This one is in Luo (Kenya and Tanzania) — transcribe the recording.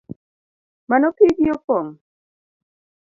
Mano pigi opong’?